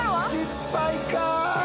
失敗か。